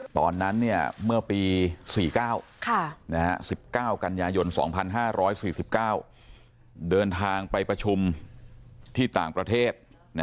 ตอนนั้นเมื่อปี๔๙๑๙กันยายน๒๕๔๙เดินทางไปประชุมที่ต่างประเทศ